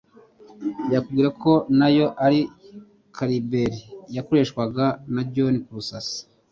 yakubwira ko nayo ari kaliberi yakoreshejwe na John kurasa